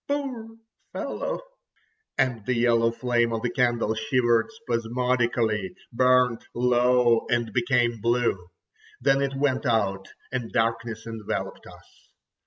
"Poor fellow!" And the yellow flame of the candle shivered spasmodically, burnt low, and became blue. Then it went out—and darkness enveloped us.